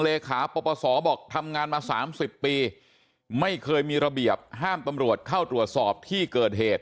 เลขาปรปศบอกทำงานมา๓๐ปีไม่เคยมีระเบียบห้ามตำรวจเข้าตรวจสอบที่เกิดเหตุ